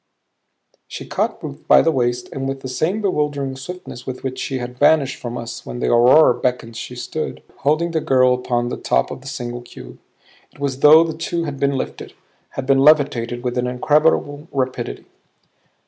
She caught Ruth by the waist and with the same bewildering swiftness with which she had vanished from us when the aurora beckoned she stood, holding the girl, upon the top of the single cube. It was as though the two had been lifted, had been levitated with an incredible rapidity.